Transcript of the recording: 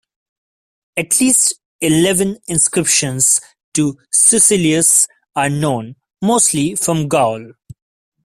At least eleven inscriptions to Sucellus are known, mostly from Gaul.